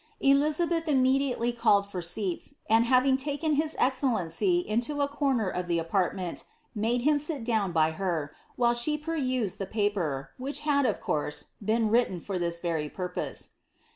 Elizabeth imme dJMely called for seats, and, having taken his excellency into a corner of the apartment, made him sit down by her, while she perused the piper, which had, of course, been written for this very purpose.